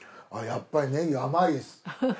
やっぱりねぎ甘いです。